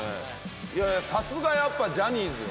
いやいやさすがやっぱジャニーズよ。